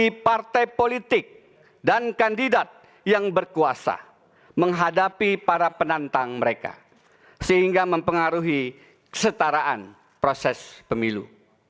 dan juga bagi partai politik dan kandidat yang berkuasa menghadapi para penantang mereka sehingga mempengaruhi kesetaraan proses pemilu